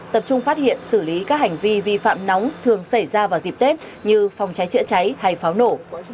tập trung phát hiện xử lý các hành vi vi phạm nóng thường xảy ra vào dịp tết như phòng cháy chữa cháy hay pháo nổ